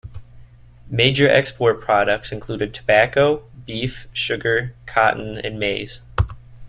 Major export products included tobacco, beef, sugar, cotton, and maize.